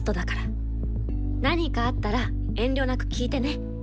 何かあったら遠慮なく聞いてね。